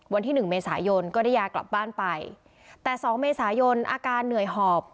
วันที่หนึ่งเมษายนก็ได้ยากลับบ้านไปแต่สองเมษายนอาการเหนื่อยหอบ